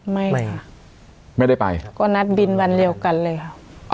ไม่ไปค่ะไม่ได้ไปก็นัดบินวันเดียวกันเลยค่ะ